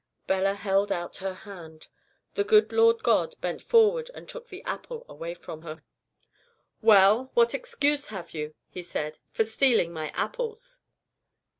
Bella held out her hand. The good Lord God bent forward and took the apple away from her. "'Well, what excuse have you,' He said, 'for stealing My apples?'